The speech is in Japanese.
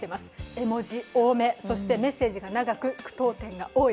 絵文字多め、そしてメッセージが長く句読点が多い。